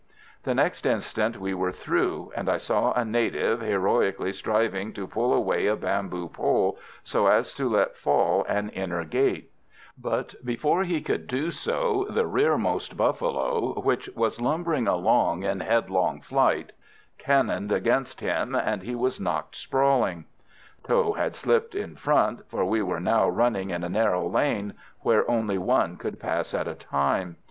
The next instant we were through, and I saw a native heroically striving to pull away a bamboo pole, so as to let fall an inner gate; but before he could do so the rearmost buffalo, which was lumbering along in headlong flight, cannoned against him, and he was knocked sprawling. Tho had slipped in front, for we were now running in a narrow lane, where only one could pass at a time.